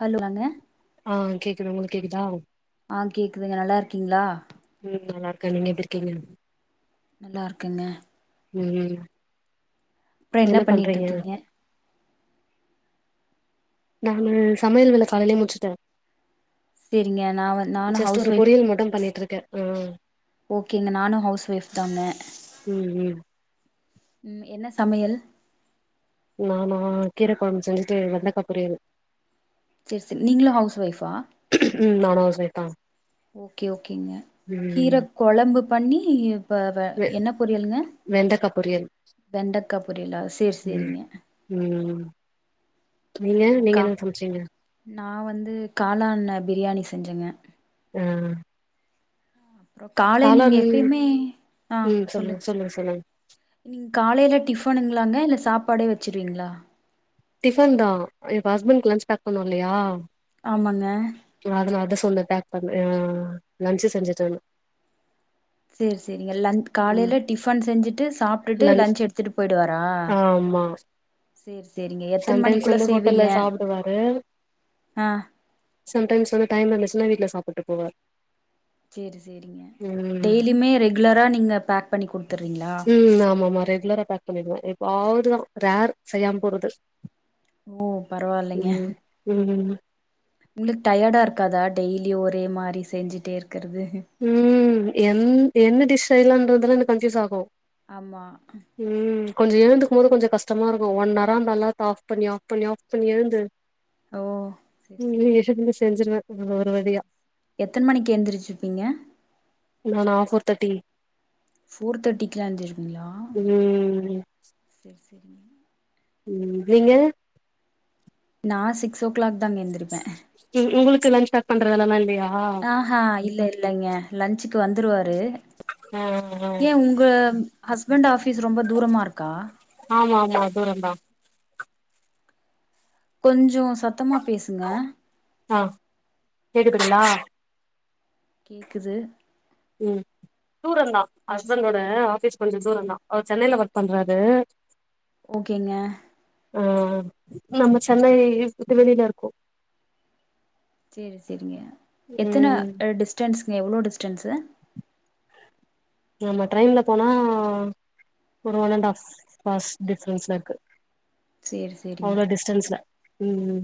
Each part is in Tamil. ஹலோ வாங்க ஆ கேக்குது உங்களுக்கு கேக்குதா ஆ கேக்குதுங்க நல்லாருக்கீங்ளா ம் நல்லாருக்கே நீங்க எப்டிருக்கீங்க நல்லாருக்கேங்க ம் ம் அப்றோ என்ன பண்ணிட்ருக்கீங்க நானு சமயல் வேல காலைலயே முடிச்சுட்டே சேரிங்க நா வந் நானு ஜஸ்ட்டு ஹவுஸ் ஒரு ஒய்ஃப் பொரியல் மட்டு பண்ணிட்ருக்கே அ ஓகேங்க நானு ஹவுஸ் ஒயிஃப் தாங்க ம் ம் ம் என்ன சமயல் நானா கீரக்கொழம்பு செஞ்சிட்டு வெண்டக்கா பொரியல் செரி செரி நீங்களு ஹவுஸ் ஒய்ஃபா ம் நானு ஹவுஸ் ஒய்ஃப் தா ஓகே ஓகேங்க ம் கீரக்கொழம்பு பண்ணி இப்ப வெ என்ன பொரியலுங்க வெண்டக்கா பொரியல் வெண்டக்கா பொரியலா செரி ம் செரிங்க ம் நீங்க நீங்க சேரிக்கா என்ன சமச்சீங்க நா வந்து காளாண் ண பிரியாணி செஞ்சேங்க ஆ அப்றோ கால நீங்க காளான் எப்பயுமே அ ம் சொல்லு சொல்லுங்க சொல்லுங்க சொல்லுங்க நீங்க காலைல டிஃபனுங்களாங்க இல்ல சாப்பாடே வச்சுருவீங்ளா டிஃபன் தா இப்போ அஸ்பண்ட்க்கு லன்ச் பேக் பண்ணனு இல்லையா ஆமாங்க அதல அத சொல்லு பேக் பண்ணயா ஆ லன்ச்சு செஞ்சுட்ருந்தே செரி செரிங்க லஞ் ம் காலைல டிஃபன் செஞ்சுட்டு சாப்ட்டுட்டு லன் லஞ்ச் எடுத்துட்டு போயிடுவாரா ஆமா சேர் செரிங்க சம்டைம்ஸ் வந்து ஹோட்டல்ல சாப்புடுவாரு ஆ சம்டைம்ஸ் வந்து டைம் இருந்துச்சன்னா வீட்ல சாப்புட்டு போவாரு சேரி சேரிங்க ம் டெய்லியுமே ரெகுலரா நீங்க பேக் பண்ணி குடுத்துறீங்களா ம் ஆமா ஆமா ரெகுலரா பேக் பண்ணிடுவோ எப்பாவது தா ரேர் செய்யாம போறது ஓ பரவால்லைங்க ம் ம் உங்களுக்கு டயர்டா இருக்காதா டெய்லியு ஒரே மாரி செஞ்சிட்டே இருக்கறது ம் என் என்ன டிஷ் செய்லான்றதுல எனக்கு கன்ஃபீயூஸ் ஆகு ஆமா ம் கொஞ்சோ எழுந்துக்கும் போது கொஞ்சோ கஷ்டமா இருக்கு ஒன் ஹராம் அலாரத்த ஆஃப் பண்ணி ஆஃப் பண்ணி ஆஃப் பண்ணி எழுந்து ஓ சேரி ம் சேரி இஷக்குள்ள செஞ்சிருவே ஒரு வழியா எத்தன் மணிக்கு எந்திரிச்சுருப்பீங்க நானா ஃபோர் தேர்ட்டி ஃபோர் தேர்ட்டிக்கெல்லா எந்ரிசிப்பீங்களா ம் செரி செரிங்க ம் நீங்க நா சிக்ஸ் ஓ க்ளாக் தாங்க எந்திரிப்பே ம் உங்களுக்கு லன்ச் பேக் பண்ற வேலல்லா இல்லையா அஹா இல்ல இல்லைங்க லன்ச்சுக்கு வந்துருவாரு ஆ ஆ ஏ உங்க ஹஸ்பண்டு ஆஃபிஸு ரொம்ப தூரமாருக்கா? ஆமா ஆமா தூரந்தா. கொஞ்சோ சத்தமா பேசுங்க. அ கேக்குதுங்ளா? கேக்குது. ம் தூரந்தா கொஞ்சோ ஹஸ்பண்டோட ஆஃபீஸ் கொஞ்சோ தூரந்தா அவுர் சென்னைல ஒர்க் பண்றாரு. ஓகேங்க. அ நம்ம சென்னை உட்டு வெளிலருக்கோ. செரி செரிங்க எத்தன ம் அ டிஸ்டன்ஸுங்க எவ்ளோ டிஸ்டன்ஸு? நம்ம ட்ரெயின்ல போனா ஒரு ஒன் அண்டு ஆஃப் ஆர்ஸ் டிஃப்ரெண்ஸ்லருக்கு. சேரி சேரிங்க அவ்ளோ டிஸ்டன்ஸ்ல ம் ம்.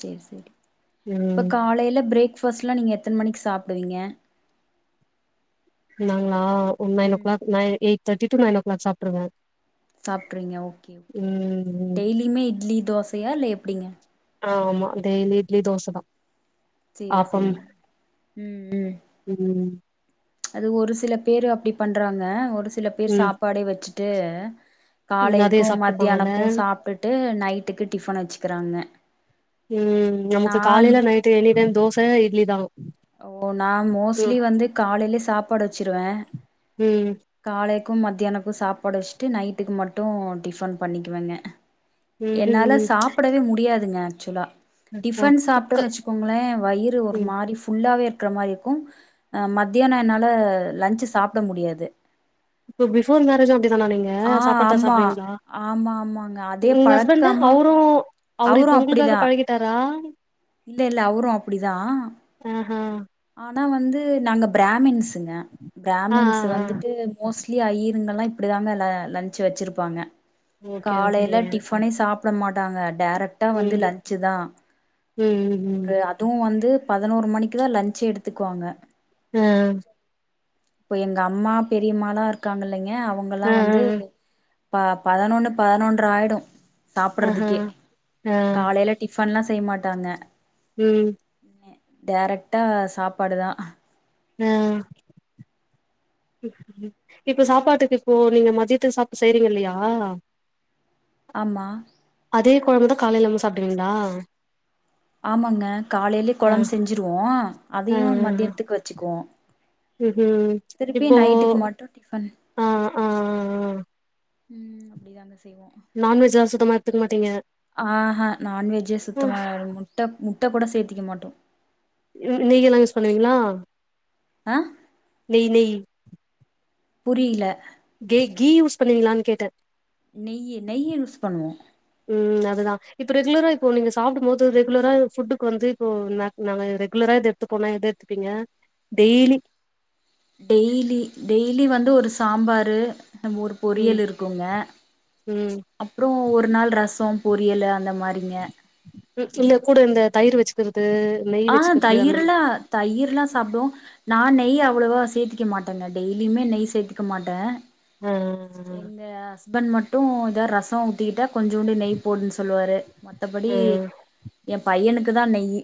சேர் சேரி இப்ப காலைல பிரேக்ஃபாஸ்ட்ல்லா நீங்க எத்தன மணிக் சாப்டுவிங்க? நாங்ளா ஒ நைன் ஓ ம் கிளாக் நை எயிட் தேட்டி டு நைன் ஓ கிளாக் சாப்ட்ருவே. சாப்ட்ருவிங்க ஓகே ஓகே ம் டெய்லிமே இட்லி தோசையா இல்ல எப்டிங்க? ஆ ஆமா டெய்லி இட்லி தோச தா. சேரி ஆப்பம் சேரிங் ம் ம். ம் அது ஒரு சில பேரு அப்டி பண்றாங்க ஒரு சில பேரு ம் சாப்பாடே வெச்சு ட்டு அதே காலைக்கு மத்தியானக்கு சாப்ட்டுப்பாங்கல்ல சாப் டுட்டு நைட்டுக்கு டிஃபன வெச்சுக்கறாங்க. ம் நமக்கு காலைல night any time dosa idli தா. ஓ நா மோஸ்ட்லி ம் வந்து காலைலியே சாப்பாடு வெச்சுருவே. ம். காலைக்கும் மத்தியானக்கு சாப்பாடு வெச்ட்டு நைட்டுக்கு மட்டு டிஃபன் பண்ணிக்குவங்க. ம் என்னால ம் சாப்படவே முடியாதுங்க ஆக்சுலா. ஆ டிஃபன் இப்ப சாப்டன் வெச்சுக்கோங்களே வயிறு ஒரு ம் மாரி ஃபு ல்லாவே இருக்கற மாரி இருக்கு அ மத்தியானோ என்னால லன்ஞ்சு சாப்ட முடியாது. இப்போ பிஃபோர் மேரேஜு அப்டி தானா நீங்க? ஆ அ சாப்பாட்தா ஆமா சாப்டுவிங்ளா? ஆமா ஆமாங்க அதே உங்க ஹஸ்பண்டு பழக்கமா அவுரு அவுரு அவரு இப்ப உங்குளுக்காக அப்டிதா பழகிட்டாரா? இல்ல இல்ல அவுரு அப்டிதா ஆஹா ஆனா வந்து நாங்க பிராமின்ஸ் ங்க ஆ ஆ பிராமின்ஸ் ஆ வந்துட்டு மோஸ்ட்லி ஐயிருங்கல்லா இப்டிதாங்க ல லன்ச் வெச்சிருப்பாங்க. ஓகே ஓகே காலைல டிஃபனே சாப்ட மாட்டாங்க டேரக்ட்டா வந்து ம் லன்ச்தா. ம் ம். ட்டு வந்து பதனோரு மணிக்குதா லஞ்சே எடுத்துக்குவாங்க. அ. இப்ப எங்க அம்மா பெரியம்மாலா இருக்காங்க இல்லைங்க அவுங்கல்லா ஆ ஆ வந்து ப பதனொன்னு பதனொன்ர ஆய்டு. ஆஹா சாப்ட்றதுக்கே ஆ காலைல டிஃபன்லா செய்ய மாட்டாங்க. ம். எ டேரக்ட்டா சாப்பாடுதா. அ. செர் செரி இப்ப சாப்பாட்டுக்கு இப்போ நீங்க மதியத்துக்கு சாப்டு செய்றீங்க இல்லையா ஆமா அதே கொழம்புதா காலையிலவு சாப்டுவீங்களா ஆமாங்க காலையிலயே ஆ கொழம்பு ஆ செஞ்சுருவோ அதையு மத்தியத்துக்கு வெச்சுக்குவோ இது இப்போ நைட்டுக்கு மட்டு டிஃபன் ஆ ஆ ஆ ம் அப்டிதாங்க செய்வோ நான்வெஜ்லா சுத்தமா எத்துக்க மாட்டீங்க ஆஹா நான்வெஜ்ஜே அ சுத்தமா முட்ட முட்ட கூட சேத்திக்க மாட்டோ யு நெய் யெலா யூஸ் பண்ணுவீங்களா அ நெய் நெய் புரியல கே கீ யூஸ் பண்ணுவீங்களான்னு கேட்ட நெய் நெய் யூஸ் பண்ணுவோ ம் அதுதா இப்ப ரெகுலரா இப்போ நீங்க சாப்டும் போது ரெகுலரா ஃபுட்டுக்கு வந்து இப்போ நாங்க ரெகுலரா இது எத்துபோனா எத எத்துப்பீங்க டெய்லி டெய்லி வந்து ஒரு சாம்பாரு ஒரு ம் பொரியல் இருக்குங்க ம். அப்ரோ ஒரு நாள் ரசோ பொரியலு அந்த மாரிங்க ம் இல்ல கூட வந்து தயிரு வெச்சுகறது ஆ தயிர்ல்லா தயிர்ல்லா சாப்டுவோ நா நெய் அவ்ளவா சேத்திக்க மாட்டேங்க டெய்லியுமே நெய் சேத்திக்க மாட்ட ஆ எங்க ஹஸ்பண்ட் மட்டு எதா ரசோ ஊத்திகிட்டா கொஞ்சூண்டு நெய் போடுன்னு சொல்லுவாரு மத்தபடி ஆ ஏ பையனுக்கு தா நெய்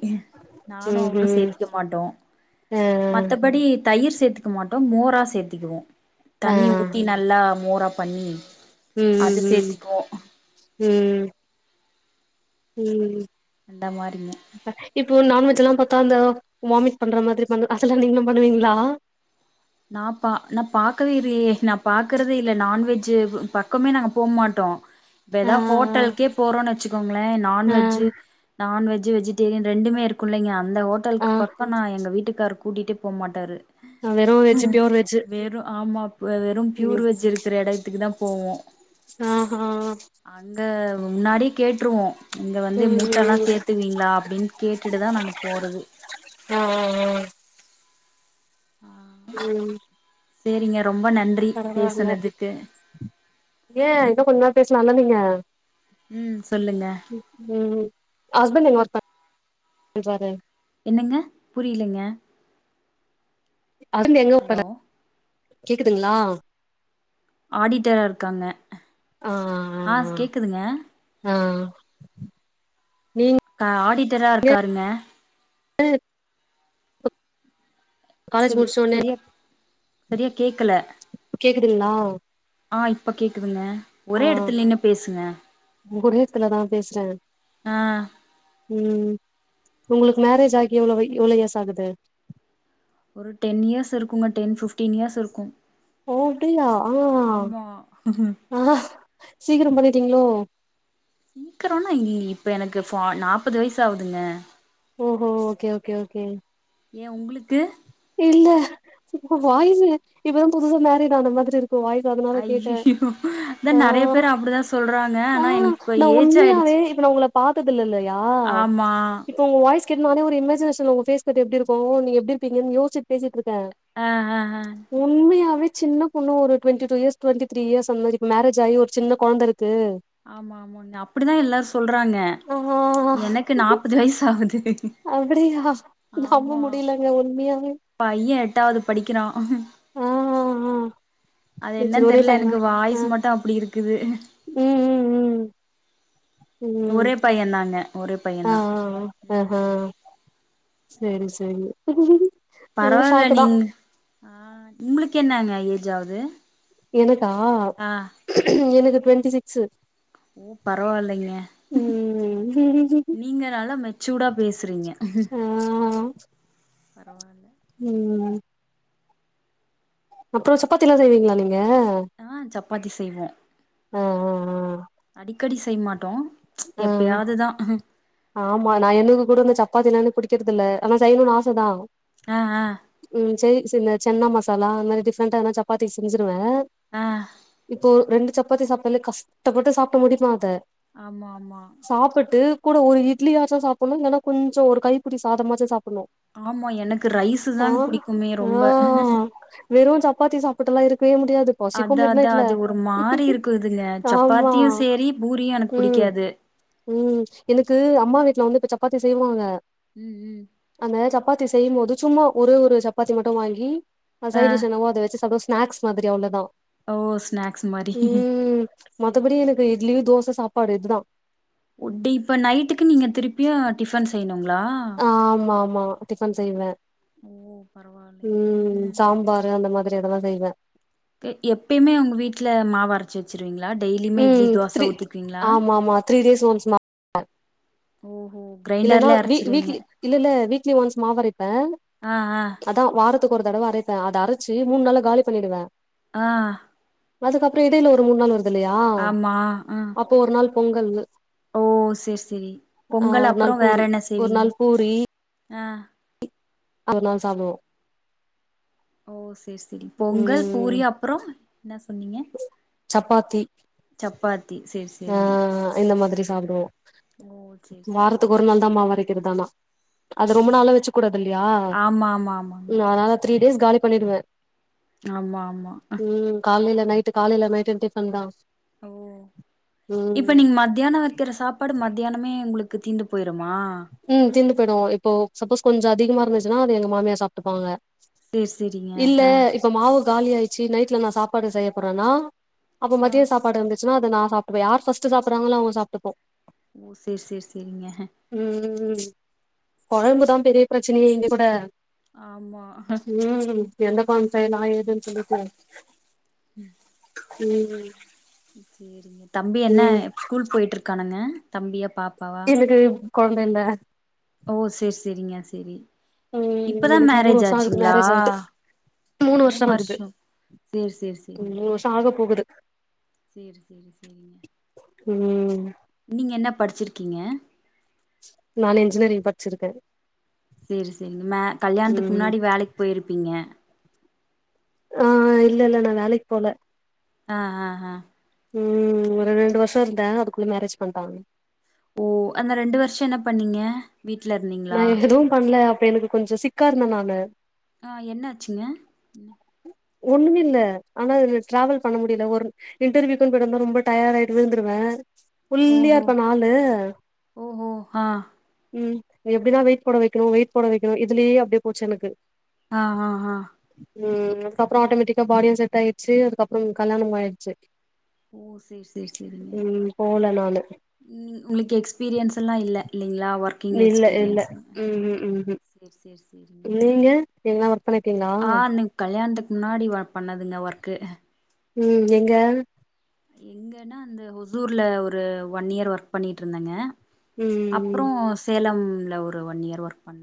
நானு அவரு ம்ஹ்ம். சேத்திக்க மாட்டோ ஆ மத்தபடி தயிர் சேத்திக்க மாட்டோ மோரா சேத்திகுவோ ஆ தண்ணி ஊத்தி நல்லா மோரா பண்ணி ம் ம் அது ம் சேத்திக்குவோ ம் ம் ம் ம் அந்த மாரிங்க இப்ப இப்போ நான்வெஜ் எல்லா பாத்தா அந்த வாமிட் பண்ற மாதிரி பன் அததெலா நீங்ளு பண்ணுவீங்ளா நா பா நா பாக்கவே இல்லயே நா பாக்கறதே இல்ல நான்வெஜ் பக்கமே நாங்க போ மாட்டோ வேர ஆ எதா ஹோட்டலுக்கே போறோ வெச்சுக்கோங்களே ஆ நான்வெஜ்ஜூ நான்வெஜ்ஜூ வெஜிடேரியன் ரெண்டுமே இருக் குள்ளீங்க அந்த ஆ ஹோட்டலுக்கு பக்கோ நா எங்க வீட்டுக்காரு கூட்டிட்டே போ மாட்டாரு ஆ வெறு வெஜ் பியூர் வெஜ் வெறு ஆமா அது வெறு ப்பியூர் வெஜ் இருக்குற எடத்துக்குதா போவோ ஆ ஹா அங்க முன்னாடி கேட்டுருவோ இங்க வந்து ம் மூட்ட எல்லா ம் சேத்துவீங்களா அப்டின்னு கேட்டுட்டு தா நாங்க போறதே அ அ அ அ ம் சேரிங்க ரொம்ப நன்றி பரவால்ல பேசுனதுக்கு ஏ இன்னோ கொஞ்ச நேரோ பேசலால நீங்க ம் சொல்லுங்க ம் ஹஸ்பெண்ட் எங்க ஒர்க் பண்றாரு என்னங்க புரிலங்க ஹஸ்பண்ட் ஹலோ எங்க [unintelligible] கேக்குதுங்களா ஆடிட்டரா இருக்காங்க ஆ கேக்குதுங்க ஆ நீங்க க ஆடிட்டரா இருக்காருங்க ல் காலேஜ் செரி முடிச்சோனே செரியா செரியா கேக்கல இப்ப கேக்குதுங்ளா ஆ இப்ப கேக்குதுங்க ஒரே எடத்துல நின்னு பேசுங்க மு ஓரே எடத்துல நா பேசுற ஆ ம் உங்களுக்கு மேரேஜ் ஆகி எவ்ளோ வ எவ்ளோ இயஸ் ஆகுது ஒரு டென் இயர்ஸ் இருக்குங்க டென் ஃபிப்டீன் இயர்ஸ் இருக்கோ ஓ அப்டியா ஆ சீக்ரோ பண்ணிட்டீங்ளோ சீக்கறோனா இ இப்ப எனக்கு ஃபா நாப்பது வயசு ஆகுதுங்க ஓ ஹா ஓகே ஓகே ஓகே ஏயா உங்களுக்கு இல்ல உங்க வாய்சு இப்பதா புதுச மோரிடு ஆன மாதிரி இருக் உங்க வாய்சு அதனால கேட்ட ஐய்யய்யோ அதா ஆ நெறைய பேர் அப்டிதா சொல்றாங்க ஆ ஆனா எனக்கு நா ஏஜ் ஆயிடுச்சு உண்மையாவே இதல உங்கள பாத்ததுல்லையா ஆமா இப்ப உங்க வாய்ஸ் கேட்டு நானே ஒரு இமேஜினேஷன்ல உங்க பேஸ் கட் எப்டி இருக்கோ ஓ நீங்க எப்டிருப்பீங்கன்னு யேஸ்சிட் பேசிட்டிருக்க ஆ ஆ ஆ உண்மையா சின்ன பொண்ணு ஒரு twenty two years twenty three years அந்த மாரி ம மேரஜ் ஆயி ஒரு சின்ன கொழந்த இருக்கு ஆமா ஆமா நா அப்டிதா எல்லாரோ சொல்றாங்க ஆ எனக்கு நாப்பது வயசு ஆவுது அப்டியா நம்ம முடியலங்க உண்மையாவே பைய எட்டாது படிக்கிறா ஆ ஆ ஆ அது சேரி சேரி என்னன்னு ஒரே தெர்ல பையனா எனக்கு ஆ வாய்சு மட்டோ அப்டி இருக்குது ம் ம் ம் ம் ஒரே பைய தாங்க ஒரே பைய ஆ தா ம் செரி செரி பரவால்ல ஷாக்கு தா நீங்க ஆ உங்களுக்கு என்னங்க ஏஜ் ஆகுது எனக்கா எனக்கு டுவெண்டி சிக்சு ஓ பரவால்லைங்க ம் ம் நீங்க நல்லா மெச்சூடா பேசுறீங்க ஆ ம் அப்றோ சப்பாத்தில்லா செய்வீங்ளா நீங்க ஆ சப்பாத்தி செய்வோ ஆ ஆ அடிக்கடி செய் மாட்டோ ஆ எப்யாதுதா ஆமா நா எனுக்கு கூட இந்த சப்பாத்திலா புடிக்கிறது இல்ல ஆனா செய்ணுன்னு ஆசதா ஆ ஆ ம் சைடிஷ் என்ன சென்னா மசாலா அந்த மாரி டிஃப்ரெண்டா எதனா சப் சப்பாத்திக்கு செஞ்சிருவே ஆ இப்போ ரெண்டு சப் பாத்தி சாப்டாளே கஷ்டப்பட்டு சாப்புட்டு முடிப்பே அத ஆமா ஆமா சாப்பிட்டு கூட ஒரு இட்லியாச்சு சாப்ட்ணு இல்லன்னா கொஞ்சோ ஒரு கைபுடி சாதமாச்சு சாப்ட்ணு ஆமா எனக்கு ரைஸ் தான் புடிக்குமே ஆ ரொம்ப வெறு சப்பாத்தி சாப்பிட்டு எல்லா இருக்கவே முடியாது பசிக்கு அதா மிட் அதா நைட்ல அது ஒரு மாறி இருக்குதுங்க ஆமா சப்பாத்தியு சேரி பூரியு எனக்கு ம் புடிக்காது ம் எனக்கு அம்மா வீட்ல வந்து இப்ப சப்பாத்தி செய்வாங்க ம் ம் அந்த சப்பாத்தி செய்யும் போது சும்மா ஒரே ஒரு சப்பாத்தி மட்டு வாங்கி ஆ சைடிஷ் என்னவோ அத வெச்சு சாப் ஸ்நாக்ஸ் மாரி அவ்ளோதா ஓ ஸ்நாக்ஸ் மாரி ம் சேரி மத்தபடி எனக்கு சேரிங் இட்லி தோச சாப்பாடு இதுதா இப்ப நைட்டுக்கு நீங்க திருப்பியு டிஃபன் செய்யணுங்களா ஆமாமா டிஃபன் செய்வ ஓ பரவால்ல ம் சாம்பாரு அந்த மாரி எதுனா செய்வ எப்பயுமே உங்க வீட்ல மாவு அரச்சு வெச்சுருவீங்களா டெய்லியுமே இட்லி ம் தோச த்ரீ ஊத்திபீங்ளா ஆமா ஆமா த்ரீ டேய்ஸ் ஒன்ஸ் [unintelligible] ஓஹோ இல்லனா கிரைண்டர்லே வீ அரச்சிருவீங்க வீக்லி இல்ல இல்ல வீக்லி ஒன்ஸ் மாவரைப்பே ஆ ஆ அதா வாரத்துக்கு ஒரு தடவ அரைப்பே அத அரச்சு மூண் நாள்ள காலி பண்ணிடுவே ஆ அதுக்கப்றோ எடையில ஒரு மூண் நாள் வருதுல்லையா ஆமா ஆ அப்போ ஒரு நாள் பொங்கல் ஓ செரி செரி ஆ பொங்கல் ஒரு அப்றோ நாள் வேற பூரி என்ன ஒரு செய்வீங்க நாள் பூரி ஆ அதனால சாப்டுவோ ஓ செரி செரி பொங்கல் ம் பூரி அப்றோ என்ன சொன்னீங்க சப்பாத்தி சப்பாத் தி சேர் ஆ இந்த மாரிதா சாப்பிடுவோ ஓ சேரி சேரி வாரத்துக்கு ஒரு நாள் தா மாவரைக்கிறது ஆனா ஓ அத ரொம்ப நாள வெச்சு கூடாது இல்லயா ஆமா ஆமா ஆமாங்க உ அதனால த்ரீ டேஸ்ல காலி பண்ணிடுவே ஆமா ஆமா காலையில நைட்டு் காலையில நைட்ன்னு டிஃபன் தா ஓ ம் இப்ப நீங்க மத்தியான வெக்கிற சாப் பாடு மதியானமே உங்களுக்கு தீந்து போயிறுமா ம் தீந்து போயிடு இப்போ சப்போஸ் கொஞ்சோ அதிகமா இருந்துச்சுன்னா அத எங்க மாமியா சாப்ட்டுப்பாங்க சேரி சேரிங்க இல்ல ஆ இப்ப மாவு காலி ஆயிச்சு நைட்ல நா சாப்பாடு செய்ய போறேன்னா அப்ப ஆ மதிய சாப்பாடு இருந்துச்சுனா அத நா சாப்ட்டுப்பே யார் ஃபஸ்ட்டு சாப்ட்றாங்களோ அவங்க சாப்ட்டுப்போ சேர் சேர் சேரிங்க ம் கொழம்புதா பெரிய பிரச்சனையே இங்க கூட ஆமா ம் எந்த கொழும்பு செய்யலா ஏதுன்னு சொல்றது ம் ம் சேரிங்க தம்பி என்ன ம் ஸ்கூல் போயிட்டு இருக்கானங்க தம்பியா பாப் எனக்கு கொழந்த இல்ல ஓ செரி செரிங்க செரி ம் இப்பதா எனக்கு மூணு மேரேஜ் வருஷோ ஆகுது ஆச்சுங்களா மேரேஜ் ஆயிட்டு மூணு வருஷோ சேர் சேர் சேரிங்க மூணு வருஷோ ஆக போகுது சேர் சேர் சேரிங்க ம் நீங்க என்ன படிச்சிருக்கீங்க நா இன்ஜினியரிங் படிச்சிருக்க சேரி செரிங்க மே கல்யாணத்துக்கு ம் முன்னாடி வேலைக்கு போயிருப்பீங்க ஆ இல்ல இல்ல நா வேலைக்கு போல ஆ ஆ ஆ ம் ஒரு ரெண்டு வருஷம் இருந்த அதுக்குள்ள மேரேஜ் பண்ட்டாங்க ஓ அந்த ரெண்டு வருஷம் என்ன பண்ணீங்க வீ்ட்ல இருந்திங் நா எதுவு பண்ல அப்ப எனக்கு கொஞ்சோ சிக்கா இருந்த நானு ஆ என்னாச்சுங்க ம் ஒண்ணுமில்ல ஆனா அதுல டிராவல் பண்ண முடில ஒரு இன்டர்வியூக்குன்னு போய்ட்டு வந்தா ரொம்ப டயர்ட் ஆயிட்டு விழுந்துருவ ஒல்லியா ஓஹோ இருப்பனா ஆளு ஓஹோ ஆ ம் எப்டிதா வெயிட் போட வைக்கணு வெயிட் போட வைக்கணு இதுலே அப்டியே போச்சு எனக்கு ஆ ஆ ஆ ம் அதுக்கப்றோ ஆட்டோமேட்டிக்கா பாடியு செட் ஆயிடிச்சி அதுக்கப்றோ கல்யாணமு ஆயிடிச்சு ஓ சேரி சேரி சேரிங்க ம் போல நானு ம் உங்களுக்கு எக்ஸ்பீரியன்ஸ் எல்லா இல்ல இல்லைங்ளா ஒர்க் இல்ல இல்ல உஹும் உஹும் சேர் சேர் சேரிங்க ஒர்க் பண்ணிருக்கீங்களா ஆ கல்யாணத்துக்கு முன்னாடி பண்ணதுங்க ஒர்க்கு ம் எங்க எங்கன்னா அந்த ஒசூர்ல ஒரு ஒன் இயர் ஒர்க் பண்ணிட்டு இருந்தங்க ம் ம் அப்றோ சேலம்ல ஒரு ஒன் இயர் ஒர்க் பண்ண